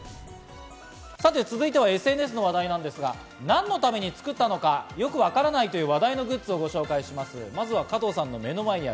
さて続いてはＳＮＳの話題なんですが、何のために作ったのかよくわからないという話題のグッズをご紹介します。